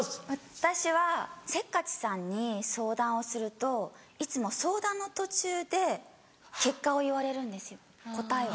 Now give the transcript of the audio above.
私はせっかちさんに相談をするといつも相談の途中で結果を言われるんですよ答えを。